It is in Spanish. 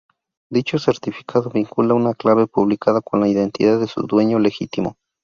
Dicho certificado vincula una clave pública con la identidad de su dueño legítimo.